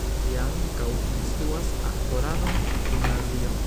Li ankaŭ instruas aktoradon en gimnazio.